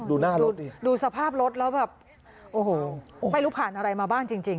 ดูสภาพรถแล้วแบบไม่รู้ผ่านอะไรมาบ้างจริง